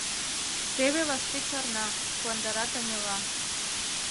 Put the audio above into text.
— Теве вашке чарна, — куандара Танила.